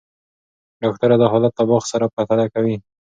ډاکټره دا حالت له باغ سره پرتله کوي.